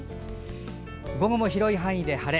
午後も広い範囲で晴れ。